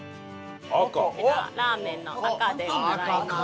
こちらラーメンの赤でございます。